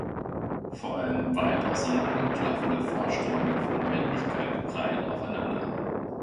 Vor allem weit auseinander klaffende Vorstellungen von Männlichkeit prallen aufeinander.